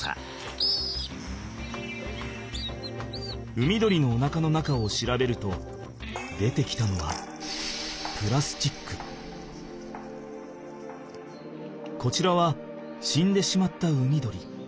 海鳥のおなかの中を調べると出てきたのはこちらは死んでしまった海鳥。